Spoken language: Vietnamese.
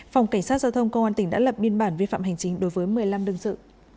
phòng cảnh sát giao thông công an tỉnh đã lập biên bản vi phạm hành chính đối với một mươi năm đương sự